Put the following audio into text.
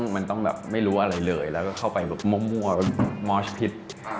มันต้องแบบไม่รู้อะไรเลยแล้วก็เข้าไปแบบมั่วมอชพิษ